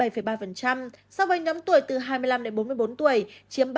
so với nhóm tuổi từ hai mươi năm bốn mươi bốn tuổi chiếm ba hai